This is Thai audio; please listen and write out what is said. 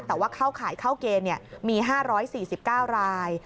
แต่ว่าเข้าข่ายเข้าเกณฑ์มี๕๔๙ราย